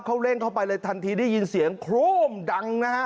เขาเร่งเข้าไปเลยทันทีได้ยินเสียงโครมดังนะฮะ